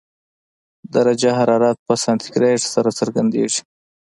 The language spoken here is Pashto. درجه حرارت په سانتي ګراد سره څرګندېږي.